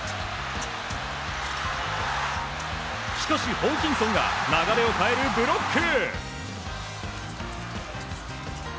しかしホーキンソンが流れを変えるブロック！